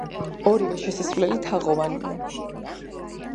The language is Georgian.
ორივე შესასვლელი თაღოვანია.